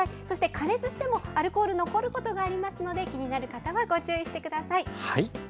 そして加熱してもアルコール残ることがありますので、気になる方はご注意してください。